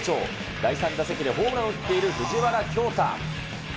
第３打席でホームランを打っている藤原恭大。